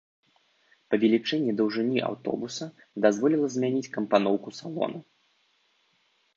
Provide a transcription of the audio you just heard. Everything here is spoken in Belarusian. Павелічэнне даўжыні аўтобуса дазволіла змяніць кампаноўку салона.